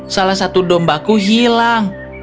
salah satu dombaku hilang